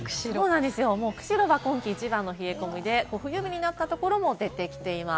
釧路は今季一番の冷え込みで冬日になったところも出てきています。